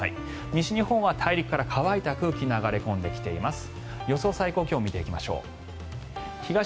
西日本は大陸から乾いた空気が流れ込んできています。